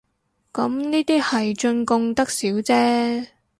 咁呢啲係進貢得少姐